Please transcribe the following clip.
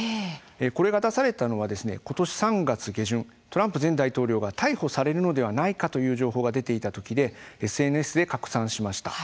これが出されたのは今年３月下旬トランプ前大統領が逮捕されるのではないかという情報が出ていた時でＳＮＳで拡散しました。